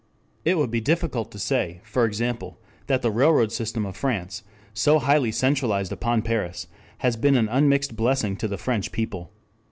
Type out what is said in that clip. It would be difficult to say, for example, that the railroad system of France, so highly centralized upon Paris, has been an unmixed blessing to the French people.